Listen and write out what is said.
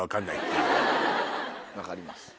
分かります。